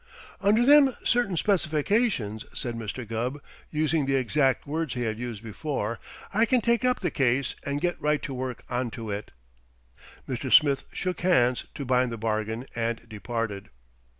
"Under them certain specifications," said Mr. Gubb, using the exact words he had used before, "I can take up the case and get right to work onto it." Mr. Smith shook hands to bind the bargain and departed.